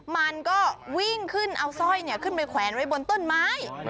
มันก็วิ่งขึ้นเอาสร้อยขึ้นไปแขวนไว้บนต้นไม้